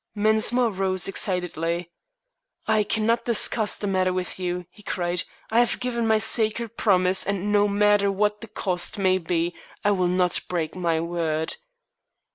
Mensmore rose excitedly. "I cannot discuss the matter with you," he cried. "I have given my sacred promise, and no matter what the cost may be I will not break my word."